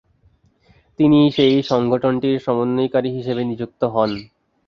তিনি সেই সংগঠনটির সমন্বয়কারী হিসেবে নিযুক্ত হন।